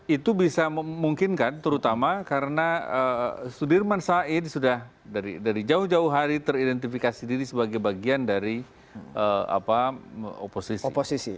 itu bisa memungkinkan terutama karena sudirman said sudah dari jauh jauh hari teridentifikasi diri sebagai bagian dari oposisi